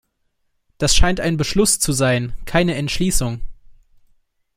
Das scheint ein Beschluss zu sein, keine Entschließung.